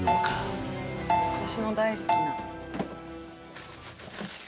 私の大好きな。